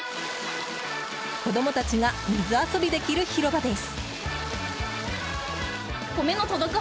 子供たちが水遊びできる広場です。